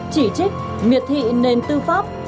chỉ trích miệt thị nền tư pháp